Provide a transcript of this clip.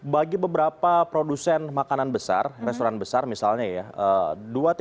bagi beberapa produsen makanan besar restoran besar misalnya ya